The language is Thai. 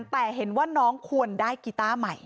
แต่เห็นว่าน้องควรได้กีต้าใหม่